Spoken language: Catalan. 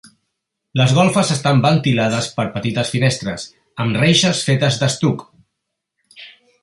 Les golfes estan ventilades per petites finestres, amb reixes fetes d'estuc.